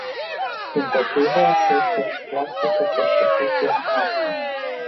Dimpotrivă, este o clasică persecuție în masă.